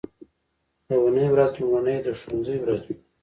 د اونۍ ورځ لومړنۍ د ښوونځي ورځ وي